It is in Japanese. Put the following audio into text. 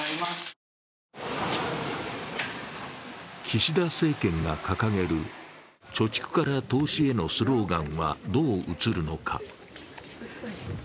岸田政権が掲げる、貯蓄から投資へのスローガンはどう映るのか。